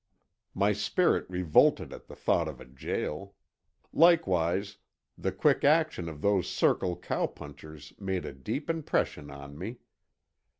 My spirit revolted at the thought of a jail. Likewise, the quick action of those Circle cowpunchers made a deep impression on me.